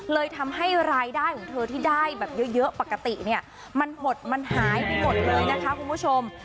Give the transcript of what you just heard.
เลยทำให้รายได้ของเธอที่ได้แบบเยอะปกติเนี่ยมันหดมันหายไปหมดเลยนะคะคุณผู้ชม